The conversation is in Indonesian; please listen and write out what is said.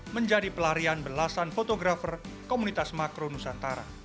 menjadi pelarian belasan fotografer komunitas makro nusantara